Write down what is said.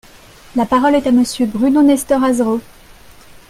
La parole est à Monsieur Bruno Nestor Azerot.